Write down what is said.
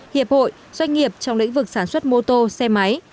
hiệp hội doanh nghiệp trong lĩnh vực sản xuất mô tô xe máy